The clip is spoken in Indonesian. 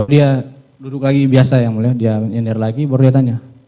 dia duduk lagi biasa yang mulia dia nyender lagi baru dia tanya